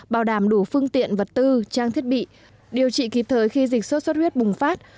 bảo đảm đủ phương tiện vật tư trang thiết bị điều trị kịp thời khi dịch sốt xuất huyết bùng phát